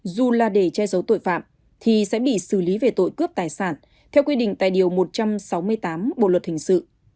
dù là để che giấu tội phạm thì sẽ bị xử lý về tội cướp tài sản theo quy định tại điều một trăm sáu mươi tám bộ luật hình sự